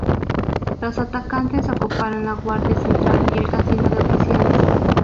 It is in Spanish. Los atacantes ocuparon la guardia central y el casino de oficiales.